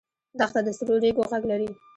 دښته د سرو ریګو غږ لري.